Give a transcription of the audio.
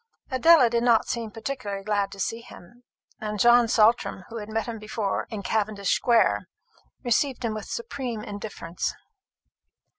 Adela did not seem particularly glad to see him; and John Saltram, who had met him before in Cavendish square, received him with supreme indifference.